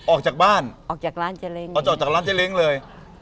ออกจากบ้านออกจากร้านเจ๊เล้งออกจากร้านเจ๊เล้งเลย